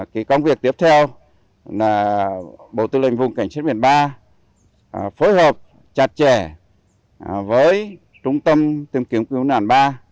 cái công việc tiếp theo là bộ tư lệnh vùng cảnh sát biển ba phối hợp chặt chẽ với trung tâm tìm kiếm cứu nạn ba